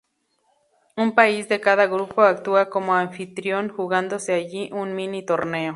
Un país de cada grupo actúa como anfitrión, jugándose allí un mini torneo.